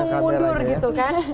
langsung mundur gitu kan